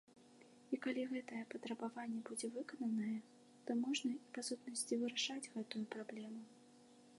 І калі гэтае патрабаванне будзе выкананае, то можна і па сутнасці вырашаць гэтую праблему.